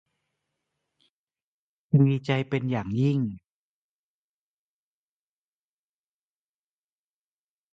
ดีใจเป็นอย่างยิ่ง